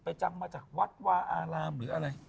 จำมาจากวัดวาอารามหรืออะไร